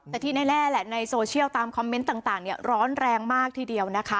แต่ที่แน่แหละในโซเชียลตามคอมเมนต์ต่างร้อนแรงมากทีเดียวนะคะ